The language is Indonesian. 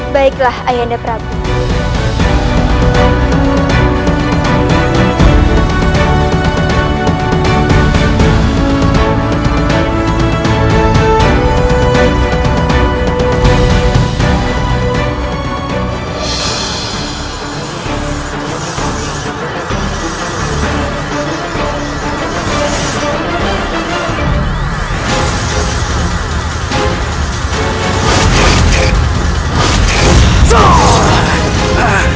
baiklah ayah anda prajurit